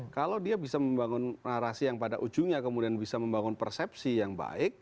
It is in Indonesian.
kalau dia bisa membangun narasi yang pada ujungnya kemudian bisa membangun persepsi yang baik